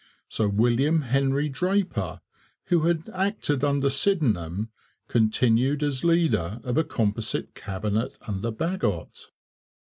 So William Henry Draper, who had acted under Sydenham, continued as leader of a composite Cabinet under Bagot.